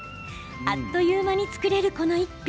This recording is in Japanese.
あっという間に作れる、この一品。